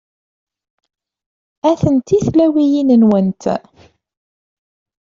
Atenti tlawiyin-nwent.